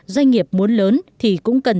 doanh nghiệp muốn lớn thì cũng cần